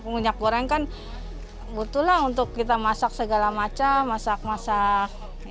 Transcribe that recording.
minyak goreng kan butuh lah untuk kita masak segala macam masak masak